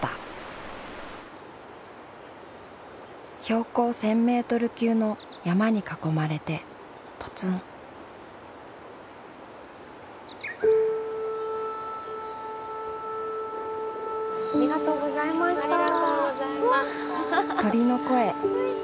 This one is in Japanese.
標高１，０００ｍ級の山に囲まれてぽつんありがとうございました。